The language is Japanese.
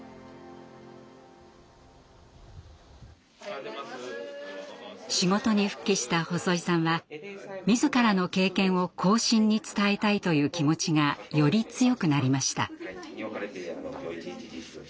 やっぱし仕事に復帰した細井さんは自らの経験を後進に伝えたいという気持ちがより強くなりました。